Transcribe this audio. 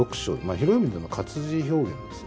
広い意味での活字表現ですよね。